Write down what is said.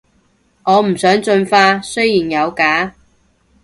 我唔想進化，雖然有假